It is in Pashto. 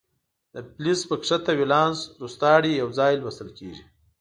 د فلز په ښکته ولانس روستاړي یو ځای لوستل کیږي.